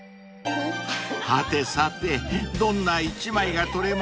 ［はてさてどんな１枚が撮れますやら］